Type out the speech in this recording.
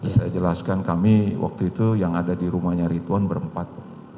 saya jelaskan kami waktu itu yang ada di rumahnya ridwan berempat